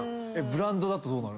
ブランドだとどう？